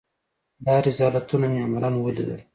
دا رذالتونه مې عملاً وليدل.